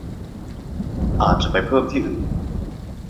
อาจจะไปเพิ่มที่อื่น